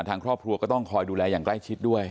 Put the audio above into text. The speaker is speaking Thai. ทางครอบครัวก็ต้องคอยดูแลอย่างใกล้ชิดด้วย